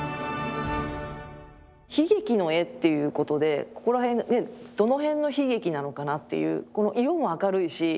悲劇の絵っていうことでここら辺ねどの辺の悲劇なのかなっていう。